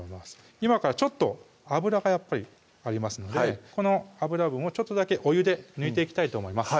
今からちょっと油がやっぱりありますのでこの油分をちょっとだけお湯で抜いていきたいと思います